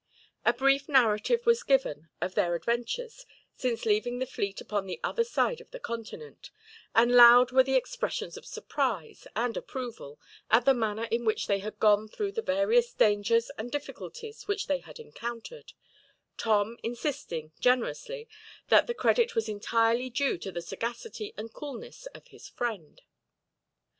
A brief narrative was given of their adventures, since leaving the fleet upon the other side of the continent; and loud were the expressions of surprise, and approval, at the manner in which they had gone through the various dangers and difficulties which they had encountered; Tom insisting, generously, that the credit was entirely due to the sagacity and coolness of his friend.